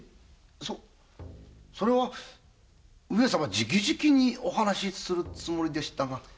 それは上様直々にお話しするつもりでしたが？